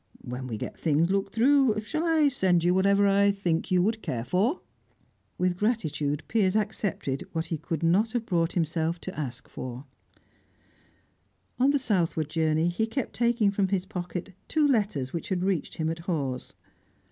When we get things looked through, shall I send you whatever I think you would care for?" With gratitude Piers accepted what he could not have brought himself to ask for. On the southward journey he kept taking from his pocket two letters which had reached him at Hawes.